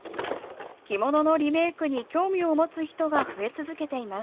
着物のリメークに興味を持つ人が増え続けています。